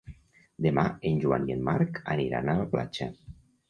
Demà en Joan i en Marc aniran a la platja.